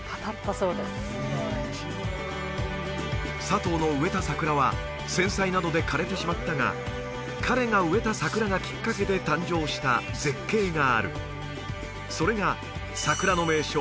サトウの植えた桜は戦災などで枯れてしまったが彼が植えた桜がきっかけで誕生した絶景があるそれが桜の名所